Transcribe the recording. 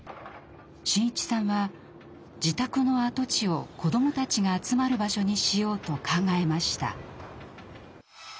伸一さんは自宅の跡地を子どもたちが集まる場所にしようと考えました。